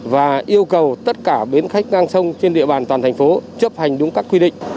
và yêu cầu tất cả bến khách ngang sông trên địa bàn toàn thành phố chấp hành đúng các quy định